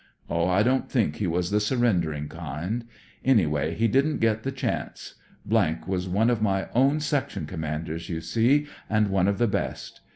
Oh, I don't think he was the surrendering kind. Anyway, he didn't get the chance. was one of my own section commanders, you see, and one of the best.